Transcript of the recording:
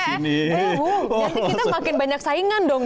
eh eh eh nanti kita makin banyak saingan dong